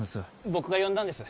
僕が呼んだんです